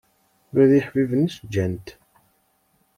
Ula d iḥbiben-is ǧǧan-t.